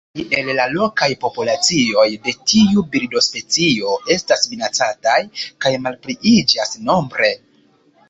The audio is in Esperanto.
Kelkaj el la lokaj populacioj de tiu birdospecio estas minacataj kaj malpliiĝas nombre.